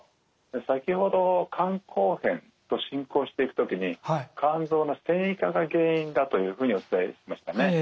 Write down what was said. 先ほど肝硬変と進行していく時に肝臓の線維化が原因だというふうにお伝えしましたね。